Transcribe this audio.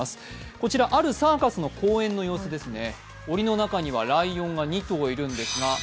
こちら、あるサーカスの公演の様子ですね。